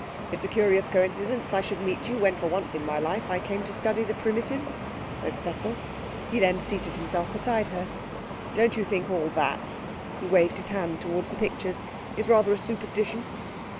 'It's a curious coincidence I should meet you when, for once in my life, I come to study the Primitives,' said Cecil. He then seated himself beside her. 'Don't you think all that ' he waved his hand towards the pictures 'is rather a superstition?'